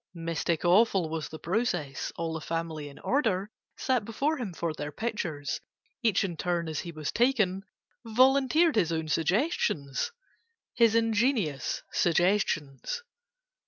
Mystic, awful was the process. All the family in order Sat before him for their pictures: Each in turn, as he was taken, Volunteered his own suggestions, His ingenious suggestions.